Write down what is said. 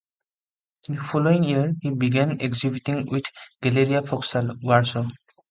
The following year he began exhibiting with Galeria Foksal, Warsaw.